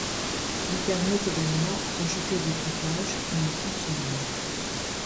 Il permet également rajouter des bruitages ou un fond sonore.